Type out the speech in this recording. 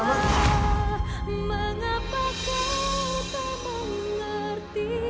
aku sekarang jadi penasaran